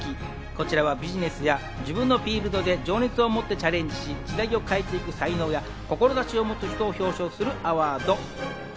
こちらはビジネスや自分のフィールドで情熱を持ってチャレンジし、時代を変えていく才能や志しを持つ人を表彰するアワード。